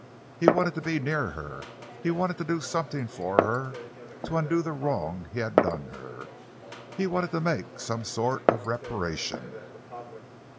He wanted to be near her; he wanted to do something for her to undo the wrong he had done her; he wanted to make some sort of reparation.